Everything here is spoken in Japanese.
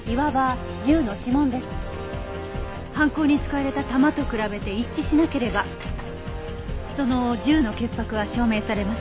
犯行に使われた弾と比べて一致しなければその銃の潔白は証明されます。